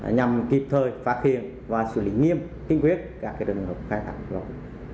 nhằm kịp thời phá khuyền và xử lý nghiêm kinh quyết các trường hợp khai thác